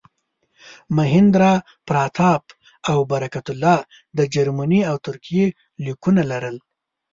مهیندراپراتاپ او برکت الله د جرمني او ترکیې لیکونه لرل.